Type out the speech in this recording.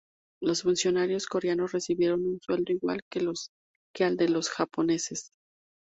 Los funcionarios coreanos recibieron un sueldo igual que al de los japoneses.